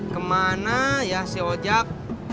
kemana ya si ojak